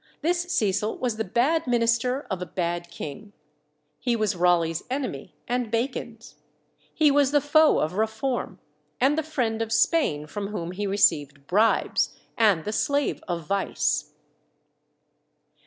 This Cecil was the bad minister of a bad king. He was Raleigh's enemy and Bacon's; he was the foe of reform, and the friend of Spain, from whom he received bribes, and the slave of vice.